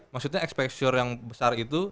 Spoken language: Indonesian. maksudnya expect sure yang besar itu